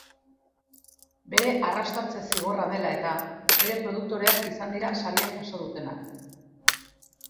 Bere arrastatze zigorra dela eta, bere produktoreak izan dira saria jaso dutenak.